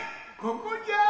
ここじゃよ！